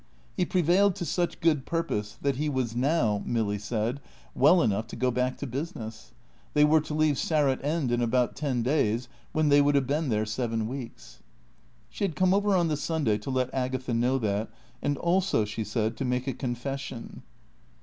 He prevailed to such good purpose that he was now, Milly said, well enough to go back to business. They were to leave Sarratt End in about ten days, when they would have been there seven weeks. She had come over on the Sunday to let Agatha know that; and also, she said, to make a confession.